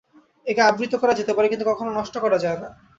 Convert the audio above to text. একে আবৃত করা যেতে পারে, কিন্তু কখনও নষ্ট করা যায় না।